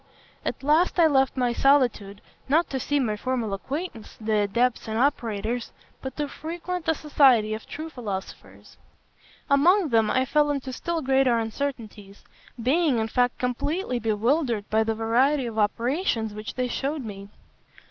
"At last I left my solitude, not to see my former acquaintances, the adepts and operators, but to frequent the society of true philosophers. Among them I fell into still greater uncertainties; being, in fact, completely bewildered by the variety of operations which they shewed me.